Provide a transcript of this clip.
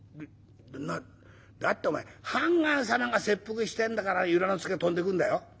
「だってお前判官様が切腹してんだから由良之助飛んでくるんだよ。